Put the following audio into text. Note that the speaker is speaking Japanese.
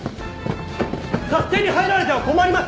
勝手に入られては困ります！